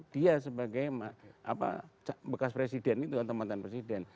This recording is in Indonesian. dia sebagai bekas presiden itu teman teman presiden